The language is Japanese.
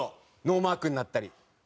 ノーマークになったり。